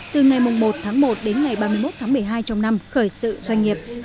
từ ngày một một đến ngày ba mươi một một mươi hai trong năm khởi sự doanh nghiệp